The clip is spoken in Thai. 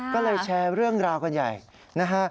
ก็เลยแชร์เรื่องราวกันใหญ่นะฮะ